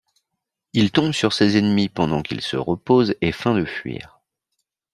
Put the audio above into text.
Il tombe sur ses ennemis pendant qu'ils se reposent et feint de fuir.